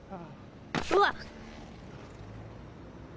うわっ！